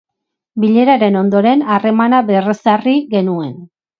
Bileraren ondoren harremana berrezarri genuen.